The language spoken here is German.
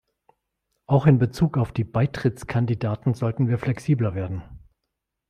Auch in Bezug auf die Beitrittskandidaten sollten wir flexibler werden.